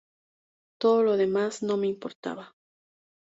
Todo lo demás no me importaba".